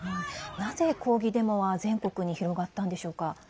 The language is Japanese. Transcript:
なぜ抗議デモは全国に広がったんでしょうか？